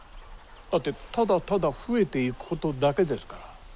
だってただただ増えていくことだけですから。